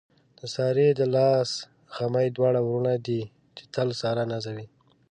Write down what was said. د سارې د لاس غمي دواړه وروڼه دي، چې تل ساره نازوي.